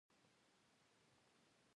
کتابچه کې ښه لیکوال جوړېږي